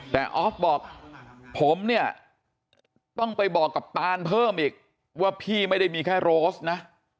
แต่ออฟบอกผมเนี่ยต้องไปบอกกับตานเพิ่มอีกว่าพี่ไม่ได้มีแค่โรสนะ